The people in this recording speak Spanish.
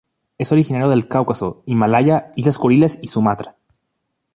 Es originario del Cáucaso, Himalaya, Islas Kuriles y Sumatra.